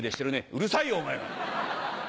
「うるさいよお前は」。